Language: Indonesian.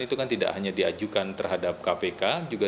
itu kan tidak hanya diajukan terhadap kpk